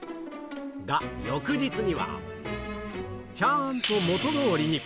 が、翌日には、ちゃんと元どおりに。